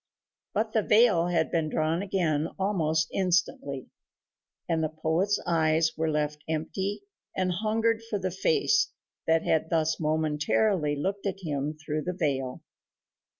But the veil had been drawn again almost instantly, and the poet's eyes were left empty and hungered for the face that had thus momentarily looked at him through the veil.